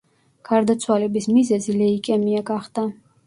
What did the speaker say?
გარდაცვალების მიზეზი ლეიკემია გახდა.